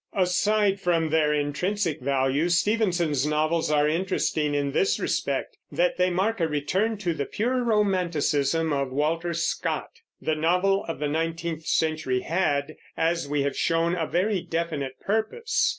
Aside from their intrinsic value, Stevenson's novels are interesting in this respect, that they mark a return to the pure romanticism of Walter Scott. The novel of the nineteenth century had, as we have shown, a very definite purpose.